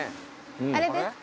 あれですか？